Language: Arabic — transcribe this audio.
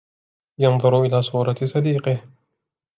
ينظر إلى صورة صديقه